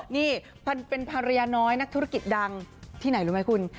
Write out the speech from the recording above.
นี่เป็นภรรยาน้อยนักธุรกิจดังที่ไหนรู้ไหมคุณ